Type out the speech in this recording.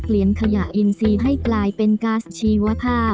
เปลี่ยนขยะอินทรีย์ให้กลายเป็นกาสชีวภาพ